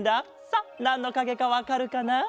さあなんのかげかわかるかな？